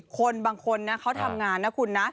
คนบางคนนะเขาทำงานนะคุณนะ